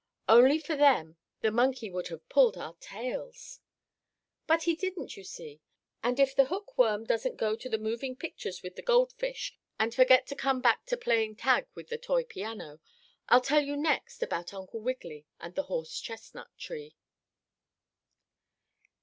Only for them the monkey would have pulled our tails." But he didn't, you see, and if the hookworm doesn't go to the moving pictures with the gold fish and forget to come back to play tag with the toy piano, I'll tell you next about Uncle Wiggily and the horse chestnut tree.